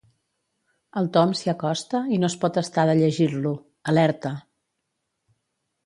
El Tom s'hi acosta i no es pot estar de llegir-lo: «Alerta.